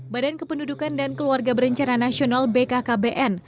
badan kependudukan dan keluarga berencana nasional bkkbn